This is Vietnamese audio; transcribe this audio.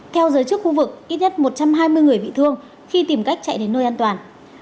theo giới chức khu vực ít nhất một trăm hai mươi người bị thương khi tìm cách chạy đến nơi an toàn